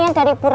yang dari putri